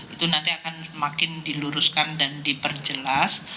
itu nanti akan makin diluruskan dan diperjelas